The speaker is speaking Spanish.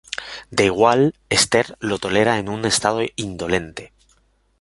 De igual, Esther lo tolera un en estado indolente.